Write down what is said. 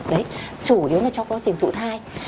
đấy chủ yếu là cho quá trình thụ thai